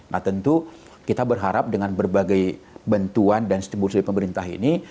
nah tentu kita berharap dengan berbagai bentukan dan stimulus dari pemerintah ini